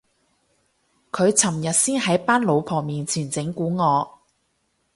佢尋日先喺班老婆面前整蠱我